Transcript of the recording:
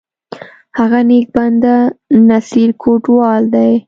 هغه نیک بنده، نصیر کوټوال دی!